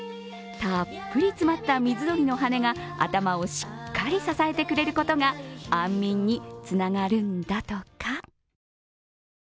たっぷり詰まった水鳥の羽根が頭をしっかり支えてくれることが安眠につながるんだとか。